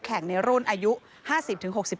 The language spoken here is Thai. มันมีโอกาสเกิดอุบัติเหตุได้นะครับ